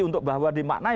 untuk bawa dimaknai